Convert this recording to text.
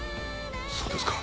そうですか。